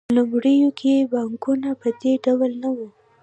په لومړیو کې بانکونه په دې ډول نه وو